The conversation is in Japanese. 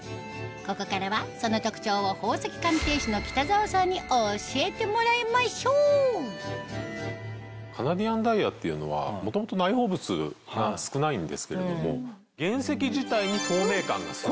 ここからはその特徴を宝石鑑定士の北澤さんに教えてもらいましょうカナディアンダイヤっていうのは元々内包物が少ないんですけれども原石自体に透明感がすごい。